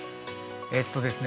えっとですね